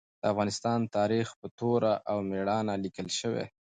د افغانستان تاریخ په توره او مېړانه لیکل شوی.